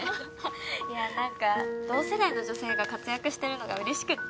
いやあなんか同世代の女性が活躍してるのが嬉しくって。